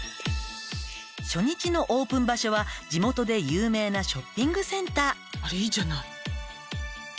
「初日のオープン場所は地元で有名なショッピングセンター」「あらいいじゃない」